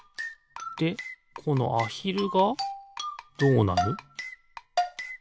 でこのアヒルがどうなる？